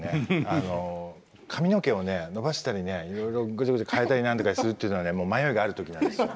あの髪の毛を伸ばしたりねいろいろごちゃごちゃ変えたりなんとかするっていうのはねもう迷いがある時なんですよ。